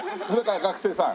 学生さん？